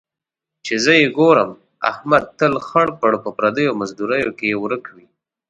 چې زه یې ګورم، احمد تل خړ پړ په پردیو مزدوریو کې ورک وي.